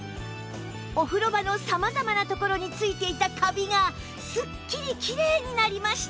お風呂場の様々なところについていたカビがすっきりきれいになりました！